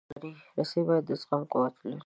رسۍ باید د زغم قوت ولري.